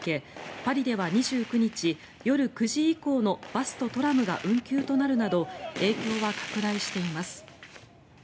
パリでは２９日夜９時以降のバスとトラムが運休となるなど影響は拡大しています。